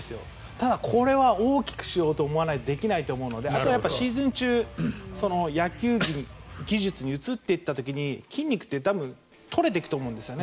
ただ、これは大きくしようと思わないとできないと思うのであとはシーズン中に野球技術に移っていった時に筋肉って取れていくと思うんですよね。